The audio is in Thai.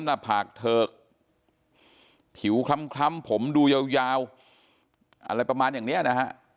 หน้าผากเถิกผิวคล้ำผมดูยาวอะไรประมาณอย่างเนี้ยนะฮะ